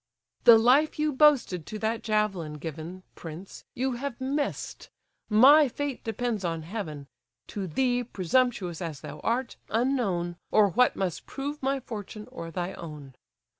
"The life you boasted to that javelin given, Prince! you have miss'd. My fate depends on Heaven, To thee, presumptuous as thou art, unknown, Or what must prove my fortune, or thy own.